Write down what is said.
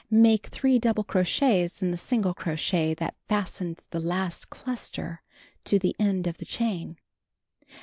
Make 3 double crochets in the single crochet that fastened the last cluster to the end of the chain.